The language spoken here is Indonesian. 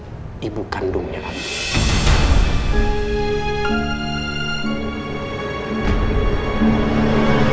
ini ibu tak bisa melakukan alamat ulasi begini